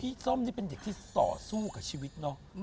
ส้มนี่เป็นเด็กที่ต่อสู้กับชีวิตเนอะ